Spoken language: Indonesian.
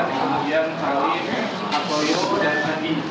jalan diandian paling hartoyo dan nadi